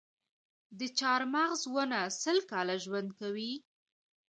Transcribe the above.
د چهارمغز ونه سل کاله ژوند کوي؟